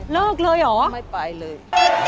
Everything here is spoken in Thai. เลิกเลยเหรอไม่ไปเลย